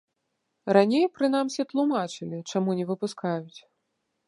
Раней, прынамсі, тлумачылі, чаму не выпускаюць.